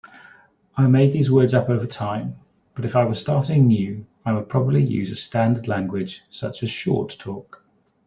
I made these words up over time, but if I were starting new I would probably use a standard language such as Short Talk.